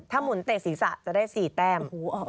ถ้ามุนเตะศีรษะจะได้สี่แต้ม